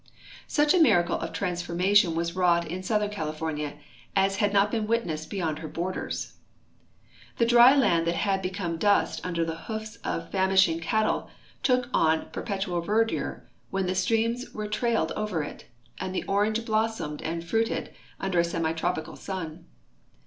Such a miracle of transformation was wrought in southern California as had iu)t been witnessed beyoml her borders. The 322 CALIFORNIA dry land that had become dust under the hoofs of famishing cattle took on 2:>erpetual verdure when the streams were trailed over it, and the orange blossomed and fruited under a semi tropical sun.